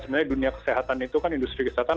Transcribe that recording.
sebenarnya dunia kesehatan itu kan industri kesehatan